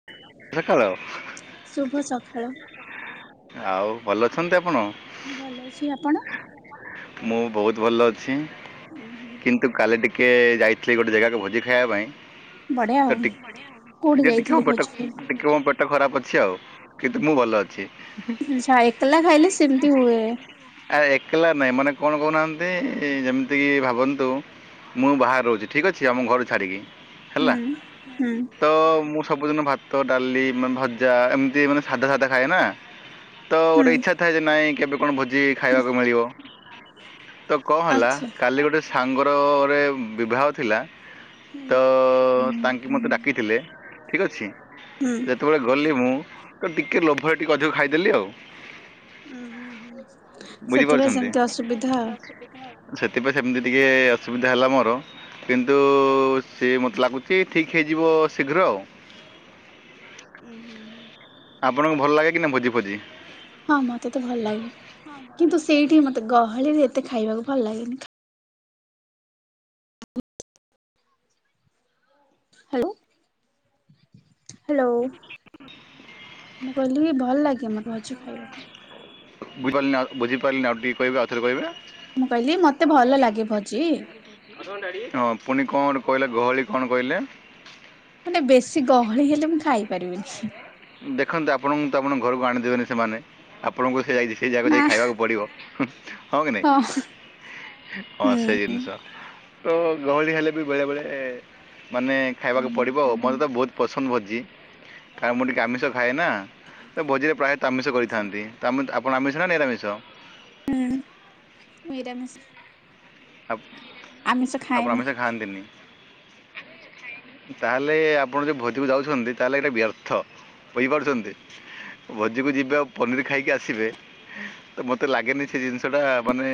[unintelligible] ଶୁଭ ସଖାଳ। ଆଉ ଭଲ ଅଛନ୍ତି ଆପଣ? ଭଲ ଅଛି ଆପଣ? ମୁଁ ବହୁତୁ ଭଲ ଅଛି। ଉଁ ହୁଁ। କିନ୍ତୁ କାଲି ଟିକେ ଯାଇଥିଲି ଗୋଟେ ଜାଗାକୁ ଭୋଜି ଖାଇବା ପାଇଁ। ବଢିଆ ଆଉ ତ ଟିକ ବଢିଆ କୋଉଠି ଯିଏ ଟିକ ଉ ଯାଇଥିଲେ ବ ଭୋଜି ଖାଇ ଟିକେ ମୋ ପେଟ ଖରାପ ଅଛି ଆଉ କିନ୍ତୁ ମୁଁ ଭଲ ଅଛି। [unintelligible] ଏକେଲା ଖାଇଲେ ସେମିତି ହୁଏ। ଆ ଏକେଲା ନାଇଁ ମାନେ କଣ କହୁନାହାନ୍ତି ଏ ଯେମିତି କି ଭାବନ୍ତୁ। ମୁଁ ବାହାରେ ରହୁଛି ଠିକ ଅଛି ଆମ ଘରୁ ଛାଡ଼ିକି ହେଲା। ହୁଁ ହୁଁ। ତ ମୁଁ ସବୁଦିନ ଭାତ ଡ଼ାଲି ମା ଭଜା ଏମିତି ମାନେ ସାଧା ସାଧା ଖାଏନା। ତ ହୁଁ ଗୋଟେ ଇଚ୍ଛା ଥାଏ ଯେ ନାଇଁ କେବେ କଣ ଭୋଜି ଖାଇବାକୁ ମିଳିବ ତ କଁ ହେଲା ଆଚ୍ଛା କାଲି ଗୋଟେ ସାଙ୍ଗର ଗୋଟେ ବିବାହ ଥିଲା ହୁଁ ତ ତାଙ୍କେ ମୋତେ ଡ଼ାକିଥିଲେ। ଠିକ ଅଛି। ହୁଁ। ଯେତବେଳେ ଗଲି ମୁଁ ତ ଟିକେ ଲୋଭରେ ଟିକେ ଅଧିକ ଖାଇଦେଲି ଆଉ। ଉଁ ହୁଁ ହୁଁ। ସେଥିପାଇଁ ବୁଝିପାରୁଛନ୍ତି ସେମିତି ଅସୁବିଧା। [unintelligible] ସେଥିପାଇଁ ସେମିତି ଟିକେ ଅସୁବିଧା ହେଲା ମୋର। କିନ୍ତୁ ସିଏ ମତେ ଲାଗୁଛି ଠିକ୍ ହେଇଯିବ ଶୀଘ୍ର ଆଉ। ଉୁଁ ହୁଁ ହୁଁ। ଆପଣଙ୍କୁ ଭଲ ଲାଗେ କି ନା ଭୋଜି ଫୋଜି। ହଁ ମତେ ତ ଭଲ ଲାଗେ କିନ୍ତୁ ସେଇଠି ମତେ ଗହଳିରେ ଏତେ ଖାଇବାକୁ ଭଲ ଲାଗେନି। ହାଲୁ। ହାଲୋ ମୁଁ କହିଲି ଭଲ ଲାଗିବନା ଭଜି ଖାଇବାକୁ। ବୁଝିପାଇନା ବୁଝିପାରିଲିନା ଆଉ ଟିକ କହିବେ ଆଉଥରେ କହିବେ। ମୁଁ କହିଲି ମତେ ଭଲ ଲାଗେ ଭଜି। [inaudible] ହଁ ପୁଣି କଣ ଗୋଟେ କହିଲେ ଗହଳି କଣ କହିଲେ। ମାନେ ବେଶୀ ଗହଳି ହେଲେ ମୁଁ ଖାଇ ପାରିମିନି। ଦେଖନ୍ତୁ ଆପଣଙ୍କୁ ତ ଆପଣ ଘରକୁ ଆଣିଦେବେନି ସେମାନେ ଆପଣଙ୍କୁ ସେ ଯାଇକି। ସେ ଜାଗାକୁ ଯାଇ ନା ଖାଇବାକୁ ପଡ଼ିବ ହୁଁ। ହଁ କି ନାଇଁ ଅ ହୁଁ ସେଇ ଜିନିଷ। ତ ଗହଳି ହେଲେ ବି ବେଳେ ବେଳେ ଏ। ମାନେ ଖାଇବାକୁ ପଡ଼ିବ ଆଉ ମୋର ତ ବହୁତ ପସନ୍ଦ ଭୋଜି କାରଣ ମୁ ଟି ଆମିଷ ଖାଏନା ସେ ଭୋଜିରେ ପ୍ରାୟ ଆମିଷ ଆଚ୍ଛା କରିଥାନ୍ତି ତାମେ ତ ଆପଣ ଆମିଷ ନା ନିରାମିଷ। ହୁଁ ମିରାମିଷ। ଅପ ଆପଣ ଖାଏନି ଆମିଷ ଖାଆନ୍ତିନି। [unintelligible] ତାହେଲେ ଆପଣ ଯୋଉ ଭୋଜିକୁ ଯାଉଛନ୍ତି ତାହେଲେ ଏଇଟା ବ୍ୟର୍ଥ। କହିପାରୁଚନ୍ତି ଭୋଜିକୁ ଯିବେ ଆଉ ପନିର ଖାଇକି ଆସିବେ। ତ ମତେ ଲାଗେନି ସେ ଜିନିଷ ଟା ମାନେ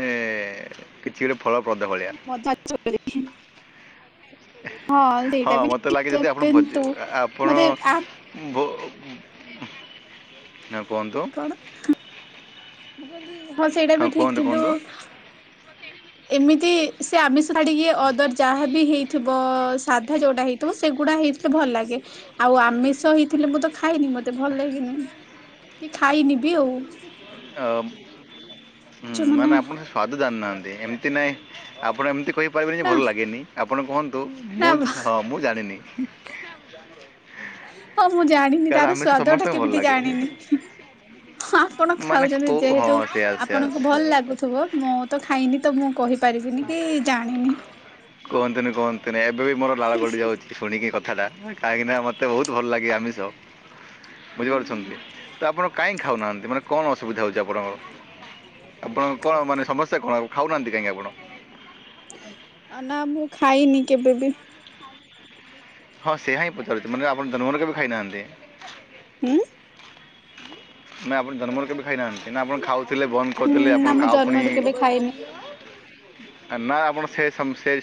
କିଛି ଗୋଟେ ଫଳପ୍ରଦ ଭଳିଆ। [unintelligible] ହଁ ସେଇଟା ହଁ [unintelligible] ମୋତେ ଲାଗେ ଟା ଯଦି ଆପଣ ଭୋଜି ବିନ୍ତୁ ଆପଣ ମେ ଆ ଭୋ ଓ [unintelligible] ନା କୁହନ୍ତୁ। କଣ ମୁଁ କହିଲି ହଁ ସେଇଟା ବି କୁହନ୍ତୁ ଠିକ କିନ୍ତୁ କୁହନ୍ତୁ ଏମିତି ସେ ଆମିଷ ଛାଡିକି ଅଦର ଯାହାବି ହେଇଥିବ ସାଧା ଯୋଉଟା ହେଇଥିବ। ସେଗୁଡ଼ା ହେଇଥିଲେ ଭଲ ଲାଗେ। ଆଉ ଆମିଷ ହେଇଥିଲେ ମୁଁ ତ ଖାଇନି। ମତେ ଭଲ ଲାଗେନି କି ଖାଇନି ବି ଆଉ। ଅ ଉଁ ମାନେ ଆପଣ ସ୍ୱାଦ ଜାଣି ନାହାନ୍ତି ଏମିତି ନାହିଁ। ଆପଣ ଏମିତି କହିପାରିବେନି ନା ଭଲ ଲାଗେନି ଆପଣ କୁହନ୍ ତୁ ନା ମୁଁ ହଁ ମୁଁ ଜାଣିନି। ହଁ ମୁଁ ଜାଣିନି କାରଣ ତାର ଆମେ ସେ ସ୍ଵାଦ ଟା ସମସ୍ତଙ୍କୁ ଭଲ କେମିତି ଲାଗେ ଜାଣିନି। ହଁ ଆପଣ ମାନେ ଖାଉଛନ୍ତି। କେଉଁ ହଁ ଯେହେତୁ ସେୟା ସେୟା ଆପଣଙ୍କୁ ଭଲ ଲାଗୁଥିବ ମୋ ତ ଖାଇନି। ତ ମୁଁ କହି କୁହନ୍ତୁନି-କୁହନ୍ତୁନି ଏବେ ବି ମୋର ଲାଳ ଗଡ଼ି ଯାଉଛି। ଶୁଣିକି ଏ କଥାଟା। କାହିଁକିନା ମତେ ବହୁତ ଭଲ ଲାଗେ ଆମିଷ। ହୁଁ। ବୁଝିପାରୁଛନ୍ତି। ତ ଆପଣ କାହିଁକି ଖାଉନାହାନ୍ତି? ମାନେ କଣ ଅସୁବିଧା ହଉଛି ଆପଣଙ୍କର? ତ ବହୁତହୁ ଆପଣଙ୍କ କ'ଣ ମାନେ [unintelligible] ସମସ୍ୟା କ'ଣ ଖାଉନାହାନ୍ତି କାହିଁକି ଆପଣ? ନା ମୁଁ ଖାଇନି କେବେବି। ହଁ ସେଆ ହିଁ ପଚାରୁଛି। ମାନେ ଆପଣ ଜନମରୁ କେବେ ଖାଇନାହାନ୍ତି? ହୁଁ [unintelligible] ମାନେ ଆପଣ ଜନମରୁ କେବେ ଖାଇନାହାନ୍ତି? ନା ଆପଣ ଖାଉ ଥିଲେ ବନ୍ଦ ହୁଁ କରିଥିଲେ। ଆପଣ ନା ମୁଁ କାହାକୁ ପୁଣି ଜନ୍ମରୁ କେବେ ଖାଇନି ନା ଆପଣ ସେ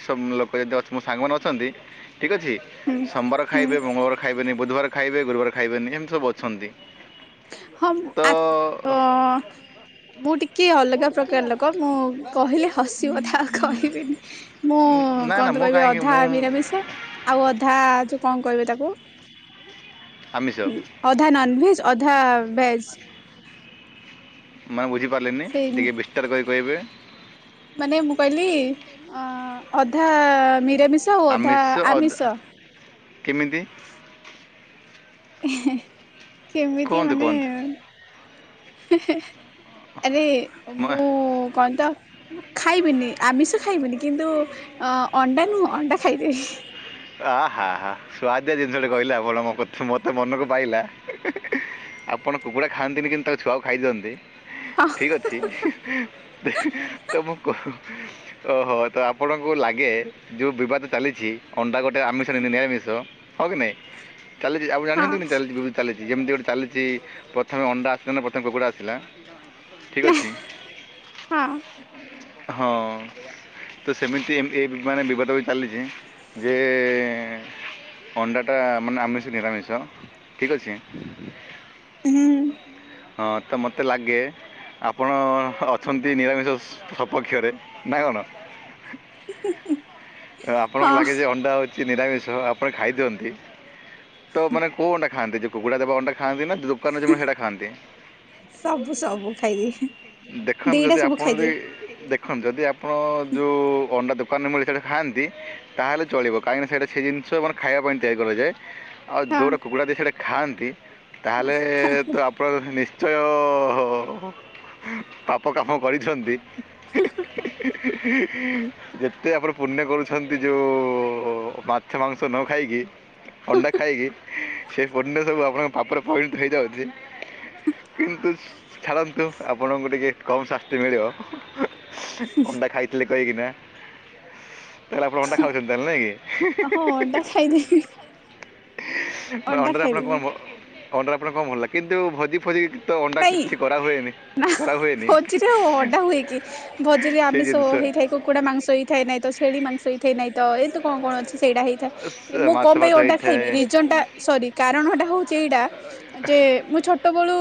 ସେ ଲୋକ ଯଦି ଅ ମୋ ସାଙ୍ଗମାନେ ଅଛନ୍ତି। ଠିକ୍ ଅଛି ହୁଁ ସୋମବାର ହୁଁ ଖାଇବେ, ମଙ୍ଗଳବାର ଖାଇବେନି, ବୁଧବାର ଖାଇବେ, ଗୁରୁବାର ଖାଇବେନି, ସେମିତି ସବୁ ଅଛନ୍ତି। ହଁ ତ ଆ [unintelligible] ମୁଁ ଟିକେ ଅଲଗା ପ୍ରକାର ଲୋକ ମୁଁ କହିଲେ ହସିବ ଥାଉ କହିବିନି। ମୁଁ ଉଁ, ନା ନା କଣନ୍ତୁ ମୁଁ କହିବି କାହିଁକି ଅଧା ମୁଁ ମିରାମିଷ ଆଉ ଅଧା ଯ କଣ କହିବେ ତାକୁ ଆମିଷ ଅଧା ନନଭେଜ। ଅଧା ଭେଜ୍। ମାନେ ବୁଝି ପାରିଲିନି। ସେଇ ଟିକେ ବିସ୍ତାର କରି କହିବେ। ମାନେ ମୁଁ କହିଲି ଅ ଅଧା ମିରାମିଷ, ଆଉ ଅଧା ଆମିଷ ଅଦ- ଆମିଷ। କେମିତି? କେମିତି କୁହନ୍ତୁ ମାନେ କୁହନ୍ତୁ ଆରେ ମ- ମୁଁ କଣ ତ ମୁଁ ଖାଇବିନି ଆମିଷ ଖାଇବିନି। କିନ୍ତୁ ଅ ଅଣ୍ଡା ନୁହଁ ଅଣ୍ଡା ଖାଇଦେବି। ଆ, ହା, ହା, ସୁଆଦିଆ ଜିନିଷଟେ କହିଲ। ଆପଣଙ୍କ କଥା ମତେ ମନକୁ ପାଇଲା। ଆପଣ କୁକୁଡ଼ା ଖାଆନ୍ତିନି କିନ୍ତୁ ତାଙ୍କ ଛୁଆକୁ ଖାଇ ଦିଅନ୍ତି। ଠିକ ଅଛି। ତମକୁ କ ଓହୋ। ତ ଆପଣଙ୍କୁ ଲାଗେ ଯେଉଁ ବିବାଦ ଚାଲିଛି ଅଣ୍ଡା ଗୋଟେ ଆମିଷନ ନିରାମିଷ ହଁ କି ନାଇଁ ଚାଲିଛି ଆଉ ହଁ ଜାଣିଛନ୍ତି କି ଚାଲିଛି ଚାଲିଛି ଯେମିତି ଗୋଟିେ ଚାଲିଛି। ପ୍ରଥମେ ଅଣ୍ଡା ଆସିଲା ନା ପ୍ରଥମେ କୁକୁଡ଼ା ଆସିଲା ଠିକ ନା ଅଛି। ହଁ ହଁ ତ ସେମିତି ଏ ମାନେ ବିବାଦ ବି ଚାଲିଛି ଯେ ଅଣ୍ଡାଟା ମାନେ ଆମିଷ ନିରାମିଷ ଠିକ୍ ଅଛି। ହୁଁ। ହଁ ତ ମତେ ଲାଗେ ଆପଣ ଅଛନ୍ତି ନିରାମିଷ ସପକ୍ଷରେ ନା କଣ? ହୁଁ ହୁଁ ହୁଁ। ଆ ଆପଣଙ୍କ ଲାଗେ ଯେ ଅଣ୍ଡା ହୋଉଛି ନିରାମିଷ ଆପଣ ଖାଇଦିଅନ୍ତି। ତ ମାନେ କୋଉ ଅଣ୍ଡା ଖାଆନ୍ତି ଯୋଉ କୁକୁଡ଼ା ଦେବା ଅଣ୍ଡା ଖାଆନ୍ତି ନା ଦୋକାନରୁ ଯୋଉ ମିଳେ ସେଇଟା ଖାଆନ୍ତି? ସବୁ ସବୁ ଖାଇଦିଏ। ଦେଖନ୍ତୁ ଦିଟା ଯଦି ସବୁ ଆପଣ ଯଦି ଖାଇଦିଏ ଦେ ଖନ୍ତୁ ଯଦି ଆପଣ ଯୋଉ ଅଣ୍ଡା ଦୋକାନରୁ ମିଳେ ସେଇଟା ଖାଆନ୍ତି ତାହେଲେ ଚଳିବ କାହିଁକିନା ସେଇଟା ସେ ଜିନିଷ ମାନେ ଖାଇବା ପାଇଁ ତିଆରି କରାଯାଏ। ଆଉ ହଁ ଯୋଉଟା କୁକୁଡ଼ା ଦିଏ ସେଇଟା ଖାଆନ୍ତି ତାହେଲେ ତ ତାହେଲେ ଆପ୍ ପଣ ନିଶ୍ଚୟ ହ ହ ହ ପାପ କାମ କରିଛନ୍ତି ଯେତେ ଆପଣ ପୁଣ୍ୟ କରୁଛନ୍ତି ଯୋଉ ମାଛ ମାଂସ ନ ଖାଇକି। ଅଣ୍ଡା ଖାଇକି ସେ ପୁଣ୍ୟ ସବୁ ଆପଣଙ୍କ ପାପରେ ପରିଣତ ହେଇ ଯାଉଛି। କିନ୍ତୁ ଛାଡ଼ନ୍ତୁ ଆପଣଙ୍କୁ ଟିକେ କମ ଶାସ୍ତି ମିଳିବ। ଅଣ୍ଡା ଖାଇଥିଲେ କହି କିନା। ତାହାଲେ ଆପଣ ଅଣ୍ଡା ଖାଉଛନ୍ତି ତାହାଲେ ନାଇଁ କି? ହଁ ଅଣ୍ଡା ଖାଇଦେବି ମାନେ ଅଣ୍ଡା ଅଣ୍ଡାରେ ଆପଣ କଣ ଖାଇଦେବି। ମ ଅଣ୍ଡାରେ ଆପଣଙ୍କୁ କଣ ଭଲ ଲାଗେ କିନ୍ତୁ ଭୋଜି ଫୋଜି ତ ଅଣ୍ଡା ନାଇଁ କିଛି କରାହୁଏନି ନା କରାହୁଏନି ଭୋଜିରେ ଆଉ ଅଣ୍ଡା ହୁଏ କି ଭୋଜିରେ ସେ ଆମିସ ଜିନିଷ ହେଇଥାଏ କୁକୁଡ଼ା ମାଂସ ହେଇଥାଏ ନାଇଁ ତ ଛେଳି ମାଂସ ହେଇଥାଏ ନାଇଁ ତ ଏତ ତ କଣ କଣ ଅଛି ସେଇଟା ହେଇଥାଏ। ଯେ ସ- ମୁଁ ମାଛ କଣ ପାଇଁ ଫାଛ ଅଣ୍ଡା ଖାଇବି ହେଇଥାଏ ରିଜନ ଟା ସରି କାରଣଟା ହୋଉଛି ଏଇଟା ଯେ ମୁଁ ଛୋଟବେଳୁ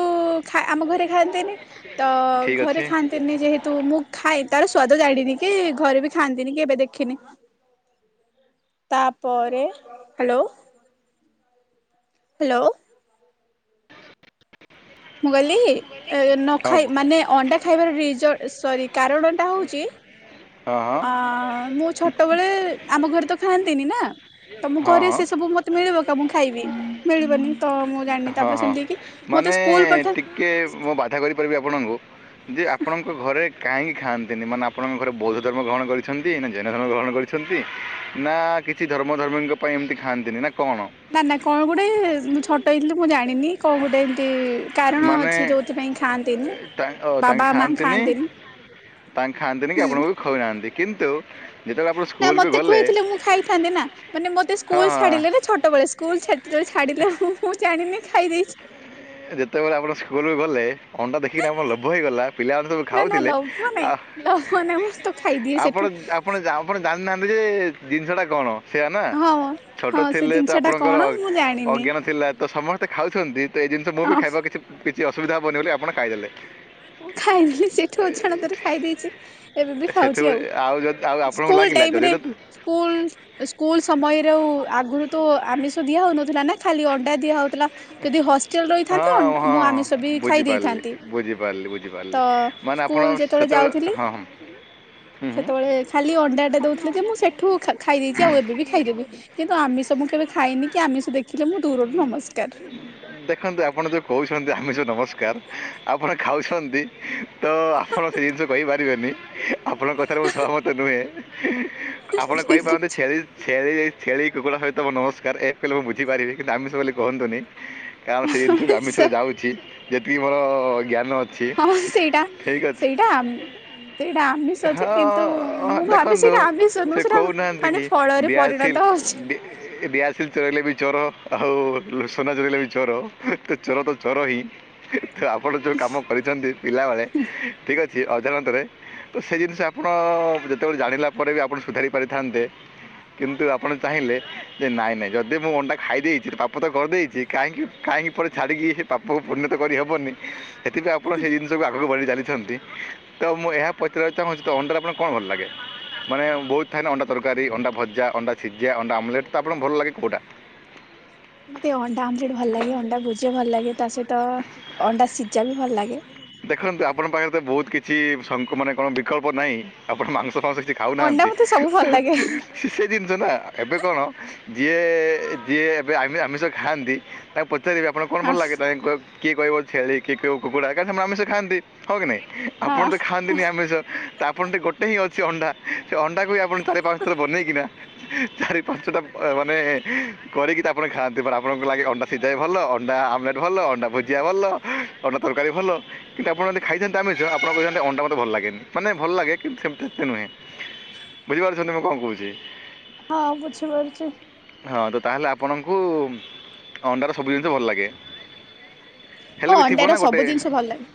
ଖା ଆମ ଘରେ ଖାଆନ୍ତୀନି ତ ଠିକ୍ ଘରେ ଅଛି ଖାଆ ନ୍ତିନି ଯେହେତୁ ମୁଁ ଖାଏ ତାର ସ୍ଵାଦ ଜାଣିନି କି ଘରେ ବି ଖାଆନ୍ତିନି କେବେ ଦେଖିନି। ତାପରେ ହାଲୋ। ହାଲୋ। ମୁଁ କିହିଲି ଏ ନ ହଁ ଖାଇ କୁ- ମାନେ ଅଣ୍ଡା ଖାଇବାର ରିଜ ସରି କାରଣଟା ହୋଉଛି ହଁ ହଁ ଆ ମୁଁ ଛୋଟବେଳେ ଆମ ଘରେ ତ ଖାଆନ୍ତିନି ନା। ତ ମୁଁ ହଁ ଘରେ ହଁ ସେ ସବୁ ମତେ ମିଳିବ କା ମୁଁ ଖାଇବି ମିଳିବନି ତ ମୁଁ ଜାଣିନି ତାପରେ ସେମିତି ହେଇକି ମତେ ସ୍କୁଲ ପଠା କି ମୁଁ ବାଧା କରିପାରିବି ଆପଣଙ୍କୁ। ଯେ ଆପଣଙ୍କ ଘରେ କାହିଁକି ଖାଆନ୍ତିନି ମାନେ ଆପଣଙ୍କ ଘରେ ବୌଦ୍ଧ ଧର୍ମ ଗ୍ରହଣ କରିଛନ୍ତି ନା ଜୈନ ଧର୍ମ ଗ୍ରହଣ କରି ଛନ୍ତି ନା କିଛି ଧର୍ମ ଧର୍ମୀଙ୍କ ପାଇଁ ଏମିତି ଖାଆନ୍ତିନି ନା କଣ? ନା ନା କଣ ଗୋଟେ ମୁଁ ଛୋଟ ହେଇଥିଲି ମୁଁ ଜାଣିନି କଣ ଗୋଟେ ଏମିତି କାରଣ ମାନେ ଅଛି ଯୋଉଥିପାଇଁ ଖାଆନ୍ତିନି ତା- ଅ, ତାଙ୍କେ ବାବା ମା ଖାଆନ୍ତିନି। ତାଙ୍କେ ଖାଆନ୍ତିନି କି ହୁଁ ଆପଣଙ୍କୁ ବି ଖୋଉନାହାନ୍ତି କିନ୍ତୁ ଯେତେବେଳେ ଆପଣ ସ୍କୁଲକୁୁ ଗଲେ। ଠାନ୍ତି ନା ମାନେ ମତେ ହଁ ସ୍କୁଲ ହଁ ଛାଡ଼ିଲେ ନା ଛୋଟବେଳେ କୁଲ ଛାଡ଼ିଥିଲେ ଛାଡ଼ିଲେ ମୁଁ ମୁଁ ଜାଣିନି ଖାଇ ଦେଇଛି। ଯେତେବେଳେ ଆପଣ ସ୍କୁଲ କୁ ଗଲେ ଅଣ୍ଡା ଦେଖିକିନା ଆପଣଙ୍କ ଲୋଭ ହେଇଗଲା ପିଲାମାନେ ସବୁ ନା ନା ଖାଉଥିଲେ ଲୋଭ ଆ ନାଇଁ ଲୋଭ ନାଇଁ ମୁଁ ତ ଖାଇଦିଏ ସେଠୁ। ଆପଣ ଯା ଆପଣ ଜାଣିନାହାନ୍ତି ଯେ ଜିନିଷଟା କଣ। ସେଇଆ ନା ହଁ ଛୋଟ ହଁ ସେ ଥିଲେ ତ ଜିନିଷ ଟା ଆପଣଙ୍କର କଣ ମୁଁ ଜାଣିନି ଅଜ୍ଞାନ ଥିଲା ତ ସମ ସ୍ତେ ଖାଉଛନ୍ତି ତ ଏଇ ଜିନିଷ ମୁଁ ବି ହଁ ଖାଇବାକୁ କିଛି କିଛି ଅସୁବିଧା ହବନି ବୋଲି ଆପଣ ଖାଇଦେଲେ। ମୁଁ ଖାଇଦେଲି ସେଠୁ ଅଜାଣତରେ ଖାଇ ଦେଇଛି ଏବେ ବି ଖାଉଛି ସେଥିପାଇଁ ଆଉ। ଯଦି ଆଉ ଆପଣଙ୍କୁ ସ୍କୁଲ୍ ଲାଗିଲା ଟାଇମ୍ ଯଦି ରେ ତ ସ୍କୁଲ୍ ସ୍କୁଲ୍ ସମୟରେ ଆଉ ଆଗରୁ ତ ଆମିଷ ଦିଆ ହଉନଥିଲା ନା ଖାଲି ଅଣ୍ଡା ଦିଆ ହଉଥିଲା। ଯଦି ହଷ୍ଟେଲରେ ରହିଥାନ୍ତି ଅଣ୍ଡା ମୁଁ ଆମିଷ ବି ଖାଇ ଦେଇଥାନ୍ତି। ବୁଝି ପାରିଲି ବୁଝି ତ ସ୍କୁଲ୍ ଯେତେବେଳେ ଯାଉଥିଲି ହଁ ହଁ ହୁଁ, ହୁଁ ସେତବେଳେ ଖାଲି ଅଣ୍ଡାଟେ ଦଉଥିଲେ ଯେ ମୁଁ ସେଠୁ ଖା ଖାଇ ଦେଇଛି ଆଉ ଏବେ ବି ଖାଇଦେବି କିନ୍ତୁ ଆମେ ସବୁ କେବେ ଖାଇନି କି ଆମିଷ ଦେଖିଲେ ମୁଁ ଦୂରରୁ ନମସ୍କାର। ଦେଖନ୍ତୁ ଆପଣ ଯୋଉ କହୁଛନ୍ତି ଆମିଷ ନମସ୍କାର ଆପଣ ଖାଉଛନ୍ତି ତ ଆପଣ ସେ ଜିନିଷ କହିପାରିବେନି ଆପଣଙ୍କ କଥାରେ ମୁଁ ସହମତ ନୁହେଁ। ଆପଣ ଠିକ କହିପାରନ୍ତି ଛେଳି ଛେଳି ସେଇ ଛେଳି କୁକୁଡ଼ା ସହିତ ମୋର ନମସ୍କାର ଏ କହିଲେ ମୁଁ ବୁଝିପାରିବି କିନ୍ତୁ ଆମିଷ ବୋଲି କୁହନ୍ତୁନି। କାରଣ ସେ ଜିନିଷ ବି ଆମିଷ ଅଛି ରେ ଯାଉଛି ଯେତିକି ମୋର ଜ୍ଞାନ ଅ ହଁ ହଁ ସେଇଟା ସେଇଟା ତ ଏଇଟା ଆମିଷ ଯେ କିନ୍ତୁ ହଁ ମୁଁ ଭାବେ ଦେଖନ୍ତୁ ସେଇଟା ଆମିଷ ସେ ନୁହଁ ସେଇଟା କହୁନାହାନ୍ତି ମାନେ କି ଫଳରେ ପରିଣତ ହଉଛି। ଷ୍ଟିଲ୍ ଚୋରାଇଲେ ବି ଚୋର ଆଉ ଲୁ ସୁନା ଚୋରେଇଲେ ବି ଚୋର ତ ଚୋର ତ ଚୋର ହିଁ। ତ ଆପଣ ଯୋଉ କାମ କରିଛନ୍ତି ପିଲାବେଳେ ଠିକ୍ ଅଛି ଅଜାଣତରେ ତ ସେ ଜିନିଷ ଆପଣ ଯେତେବେଳେ ଜାଣିଲା ପରେ ବି ଆପଣ ସୁଧାରି ପାରିଥାନ୍ତେ କିନ୍ତୁ ଆପଣ ଚାହିଁଲେ ଯେ ନାଇଁ ନାଇଁ ଯଦି ମୁଁ ଅଣ୍ଡା ଖାଇ ଦେଇଛି ତ ପା ପ ତ କରିଦେଇଛି କାହିଁକି କାହିଁକି ପରେ ଛାଡ଼ିକି ସେ ପାପକୁ ପୁଣ୍ୟ ତ କରିହବନି ସେଥିପାଇଁ ଆପଣ ସେଇ ଜିନିଷକୁ ଆଗକୁ ବଢି ଚାଲିଛନ୍ତି। ତ ମୁଁ ଏହା ପଚାରିବାକୁ ଚାହୁଁଛି ତ ଅଣ୍ଡାରେ ଆପଣଙ୍କୁ କଣ ଭଲ ଲାଗେ? ମାନେ ବହୁତ ଥାଏ ନା ଅଣ୍ଡା ତରକାରୀ ଅଣ୍ଡା ଭଜା ଅଣ୍ଡା ସିଝା ଅଣ୍ଡା ଆମଲେଟ୍ ତ ଆପଣଙ୍କୁ ଭଲ ଲାଗେ କୋଉଟା? ମତେ ଅଣ୍ଡା ଆମଲେଟ୍ ଭଲ ଲାଗେ ଅଣ୍ଡା ଭୁଜିଆ ଭଲ ଲାଗେ ତା ସହିତ ଅଣ୍ଡା ସିଝା ବି ଭଲ ଲାଗେ। ଦେଖନ୍ତୁ ଆପଣଙ୍କ ପାଖରେ ତ ବହୁତ କିଛି ସକଂ ମାନେ କଣ ବିକଳ୍ପ ନାହିଁ ଆପଣ ମାଂସ ଫାଂସ କିଛି ଅଣ୍ଡା ଖାଉନାହାନ୍ତି ମତେ ସବୁ ତ ଭଲ ଲାଗେ ସେ ସେ ଜିନିଷ ନା ଏବେ କଣ ଯିଏ ଯିଏ ଏବେ ଆମି ଆମିଷ ଖାଆନ୍ତି ତାଙ୍କୁ ପ ଚାରିବେ ଆପଣଙ୍କୁ କଣ ଭଲ ହଁ ଲାଗେ ତ କିଏ କହିବ ଛେଳି କିଏ କହିବ କୁକୁଡ଼ା କାରଣ ସେମାନେ ଆମିଷ ଖଆନ୍ତି। ହଁ କି ନାଇଁ ଆପଣ ହଁ ତ ଖାଆନ୍ତିନି ଆମିଷ ତ ଆପଣଙ୍କ ର ଗୋଟେ ହିଁ ଅଛି ଅଣ୍ଡା। ସେ ଅଣ୍ଡାକୁ ବି ଆପଣ ଚାରି ପାଞ୍ଚ ଥର ବନେଇ କିନା ଚାରି ପାଞ୍ଚଟା ମାନେ କରିକି ତ ଆପଣ ଖାଆନ୍ତି ବଟ୍ ଆପଣଙ୍କୁ ଲାଗେ ଅଣ୍ଡା ସିଝା ବି ଭଲ ଅଣ୍ଡା ଆମଲେଟ୍ ଭଲ ଅଣ୍ଡା ଭୁ ଜିଆ ଭଲ ଅଣ୍ଡା ତରକାରୀ ଭଲ କିନ୍ତୁ ଆପଣ ଯଦି ଖାଇଥାନ୍ତେ ଆମିଷ ଆପଣ କହିଥାନ୍ତେ ଅଣ୍ଡା ମତେ ଭଲ ଲାଗେନି ମାନେ ଭଲ ଲାଗେ କିନ୍ତୁ ସେମିତି ଏତେ ନୁହେଁ। ବୁଝିପାରୁଛନ୍ତି ମୁଁ କଣ କହୁଛି? ହଁ ବୁଝିପାରୁଛି। ହଁ ତ ତାହେଲେ ଆପଣଙ୍କୁ ଅଣ୍ଡାର ସବୁ ଜିନିଷ ଭଲ ଲାଗେ? ହେଲେ ହଁ ବି ଥିବ ଅଣ୍ଡାର ନା ଗୋ ସବୁ ଜିନିଷ ଭଲ ଲାଗେ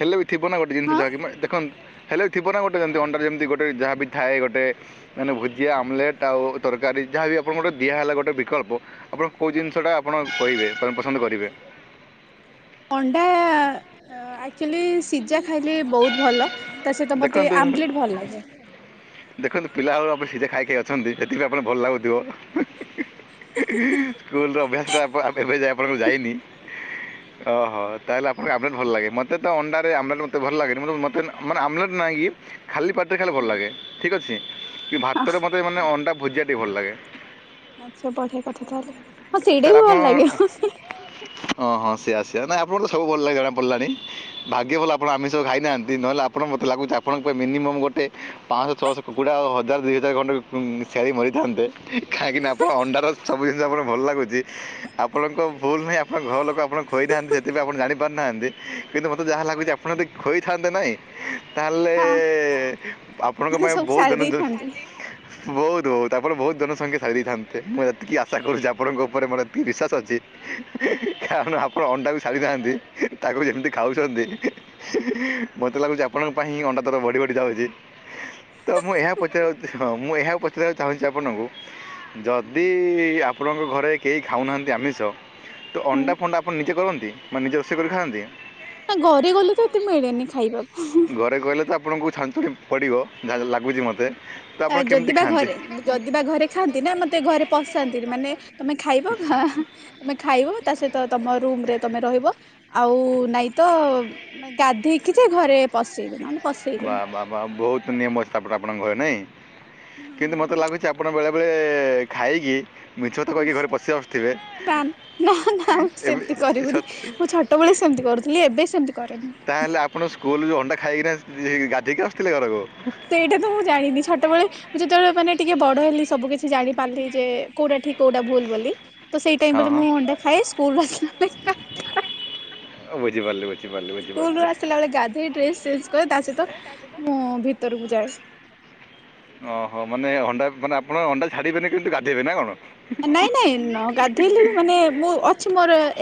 ହେଲେ ବି ଥିବ ନା ଗୋଟେ ଜିନିଷ ହଁ ଯାହାକି ମା ଦେଖନ୍ତୁ ହେଲେ ଥିବ ନା ଗୋଟେ ଯେମିତି ଅଣ୍ଡା ରେ ଯେମିତି ଗୋଟେ ଯାହା ବି ଥାଏ ଗୋଟେ ମାନେ ଭୁଜିଆ ଆମଲେଟ୍ ଆଉ ତରକାରୀ ଯାହା ବି ଆପଣଙ୍କୁ ଗୋଟେ ଦିଆ ହେଲା ଗୋଟେ ବିକଳ୍ପ ଆପଣ କୋଉ ଜିନିଷଟା ଆପଣ କହିବେ ମାନେ ପସନ୍ଦ କରିବେ? ଅଣ୍ଡା ଆକ୍ଚୁଲି ସିଝା ଖାଇଲେ ବହୁତ ଭଲ। ତା ସହିତ ମୋତେ ଦେଖନ୍ତୁ ଆମ୍ବଲେଟ୍ ଭଲ ଲାଗେ। ଦେଖନ୍ତୁ ପିଲା ବେଳେ ଆପଣ ସିଝା ଖାଇ ଖାଇ ଅଛନ୍ତି ସେଥିପାଇି ଆପଣ ଭଲ ଲାଗୁଥିବ। ସ୍କୁଲ ଅଭ୍ୟାସ ଆମେ ଏବେ ଯା ଆପଣଙ୍କୁ ଯାଇନି ଓହୋ ତାହେଲେ ଆପଣ ଆମଲେଟ୍ ଭଲ ଲାଗେ ମୋତେ ତ ଅଣ୍ଡାରେ ଆମଲେଟ୍ ମତେ ଭଲ ଲାଗେନି ମ ମୋତେ ମାନେ ଆମଲେଟ୍ ନହିଁକି ଖାଲି ପାଟିରେ ଖାଇଲେ ଭଲ ଲାଗେ ଠିକ୍ ଅଛି। କି ଭାତ ହଁ ରେ ମତେ ମାନେ ଅଣ୍ଡା ଭୁଜିଆ ଟି ଭଲ ଲାଗେ। ଆଚ୍ଛା ବଢିଆ କଥା ତାହେଲେ ହଁ ସେଇଟା ତାହେଲେ ବି ଆପଣ ଭଲ ଲାଗିବ ମ। ହଁ ହଁ ସେ ଆସିବା ନହିଁ ଆପଣ ତ ସବୁ ଭଲ ଲାଗୋ ପିଲାଣି ଭାଗ୍ୟ ଭଲ ଆପଣ ଆମିଷ ସହ ଖାଇନାହାନ୍ତି ନହେଲେ ଆପଣ ମତେ ଲାଗୁଛି ଆପଣଙ୍କ ପାଇଁ ମିନିମମ୍ ଗୋଟେ ପାଞ୍ଚଶହ ଛଅଶହ କୁକୁଡ଼ା ହଜାର ଦୁଇ ହଜାର ଖଣ୍ଡେ ଛେଳି ମରିଥାନ୍ତେ। କାଇଁକି ନା ଆପଣ ଅଣ୍ଡାର ସବୁ ଜିନିଷ ଆପଣ ଭଲ ଲାଗୁଛି। ଆପଣଙ୍କ ଭୁଲ ନାହିଁ ଆପଣଙ୍କ ଘର ଲୋକ ଆପଣଙ୍କୁ କହି ନାହାନ୍ତି ସେଥିପାଇ ଆପଣଜାଣି ପାରୁନାହାନ୍ତି କିନ୍ତୁ ମତେ ଯାହା ଲାଗୁଛି ଆପଣ ଟି ହୋଇଥାନ୍ତେ ନହିଁ ତାହେଲେ ହଁ। ଆପଣଙ୍କ ମାନେ ପାଇଁ ସବୁ ବହୁତ ସାରି ଧିନ୍ ଦିନ ଦେଇଥାନ୍ତି ବହୁତ୍ ବହୁତ୍ ଆପଣ ବହୁତ ଜନସଖ୍ୟା ଖାଇ ଦେଇଥାନ୍ତେ ମୁଁ ଏତିକି ଆଶା କରୁଛି ଆପଣଙ୍କ ଉପରେ ମୋର ବିଶ୍ୱାସ ଅଛି। କାରଣ ଆପଣ ଅଣ୍ଡାକୁ ସାରିନାହାନ୍ତି ତାକୁ ଯେମିତି ଖାଉଛନ୍ତି। ମତେ ଲାଗୁଛି ଆପଣଙ୍କ ପାଇଁଁ ହିଁ ଅଣ୍ଡା ତ ବଢି ବଢି ଯାଉଛି। ତ ମୁଁ ଏହା ପଚାରିବାକୁ ହଁ ମୁଁ ଏହାକୁ ପଚାରିବାକୁ ଚାହୁଁଛି ଆପଣଙ୍କୁ ଯଦି ଆପଣଙ୍କ ଘରେ କେହି ଖାଉନାହାନ୍ତି ଆମିଷ ତ ହୁଁ ଅଣ୍ଡା ଫଣ୍ଡା ଆପଣ ନିଜେ କରନ୍ତି ବା ନିଜେ ରୋଷେଇ କରି ଖାଆନ୍ତି। ନା ଘରେ ଗଲେତ ଏତେ ମିଳେନି ଖାଇବାକୁ। ଘରେ କହିଲେ ତାପ୍ ଆପଣଙ୍କୁ ଛାଞ୍ଚୁ ଡି ପଡ଼ିବ ଯାହା ଲାଗୁଛି ମୋତେ। ତ ଆ ଆପଣ କେମିତି ଯଦି ବା ଖାଆନ୍ତି ଘରେ ଯଦି ବା ଘରେ ଖାଆନ୍ତି ନା ମତେ ଘରେ ପଶାନ୍ତିନି ମାନେ ତମେ ଖାଇବ ଖାଁ ତମେ ଖାଇବ ତା ସହିତ ତମ ରୁମ ରେ ତମେ ରହିବ ଆଉ ନାଇଁ ତ ଗାଧେଇକି ଯେ ଘରେ ପଶେଇବି ନହେଲେ। ବା ପଶେଇବେନି। ବା ବା ବହୁତ ନିୟମଅଛି ଆପଣଙ୍କ ଘରେ ନାଇଁ। କିନ୍ତୁ ମୋତେ ଲାଗୁଛି ଆପଣ ବେଳେବେଳେ ଖାଇକି ମିଛ କଥା କହିକି ଘରେ ପଶି ଆସୁଥିବେ ନା ନା ଏମି- ସେମିତି କରିବୁନି ସତ- ମୁଁ ଛୋଟ ଛୋଟ ବେଳେ ସେମିତି କରୁଥିଲି ଏବେ ସେମିତି କରିବିନି। ତାହେଲେ ଆପଣ ସ୍କୁଲ ଯେଉଁ ଅଣ୍ଡା ଖାଇକିନା ଗାଧୋଇକି ଆସୁଥିଲେ ଘରକୁ। ସେଇଟା ତ ମୁଁ ଜାଣିନି ଛୋଟବେଳେ ମୁଁ ଯେତେବେଳେ ମାନେ ଟିକେ ବଡ ହେଲି ସବୁ କିଛି ଜାଣି ପାରିଲି ଯେ କୋଉଟା ଠିକ୍ କୋଉଟା ଭୁଲ ବୋଲି ତ ସେଇ ଟାଇମ୍ ହଁ ରେ ହଁ ମୁଁ ଅଣ୍ଡା ଖାଏ ସ୍କୁଲରୁ ଆସିଲା ମୁଁ ବୁଝିିପାରିଲି ବୋଲି। ସ୍କୁଲୁରୁ ଆସିଲା ବେଳେ ଗାଧୋଇ ଡ୍ରେସ୍ ଚେଞ୍ଜ କରେ ତା ସହିତ ମୁଁ ଭିତରକୁ ଯାଏ। ଅହଃ ମାନେ ଅଣ୍ଡା ମାନେ ଆପଣ ଅଣ୍ଡା ଛାଡ଼ିବେନି କିନ୍ତୁ ଗାଧେଇବେ ନା କଣ? ନାଇଁ ନାଇଁ ନ ଗାଧେଇଲେ ବି ମାନେ ମୁଁ ଅଛି ମୋରଏ